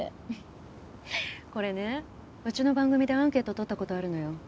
これねうちの番組でアンケート取った事あるのよ。